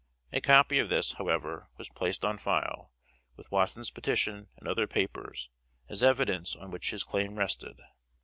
A copy of this, however, was placed on file, with Watson's petition and other papers, as evidence on which his claim rested.